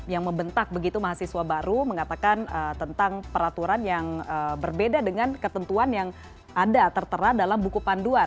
yang membentak begitu mahasiswa baru mengatakan tentang peraturan yang berbeda dengan ketentuan yang ada tertera dalam buku panduan